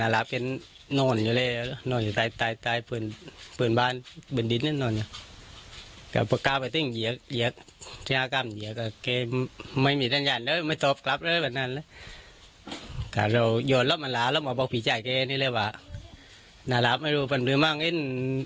แล้วหมอบอกพี่ชายแกนี่แหละวะนายลาบไม่รู้มันมือมั่งอิ้น